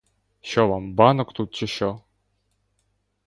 Що вам, банок тут, чи що?